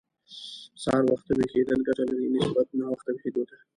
سهار وخته ويښېدل ګټه لري، نسبت ناوخته ويښېدو ته.